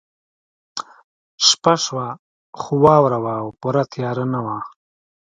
شپه شوه خو واوره وه او پوره تیاره نه وه